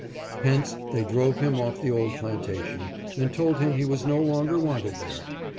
Hence they drove him off the old plantation, and told him he was no longer wanted there.